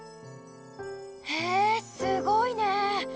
へえすごいね！